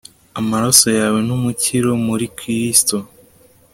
amaraso yawe numukiro muri kirisito